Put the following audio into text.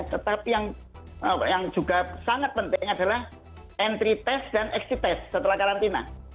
tetapi yang juga sangat penting adalah entry test dan exit test setelah karantina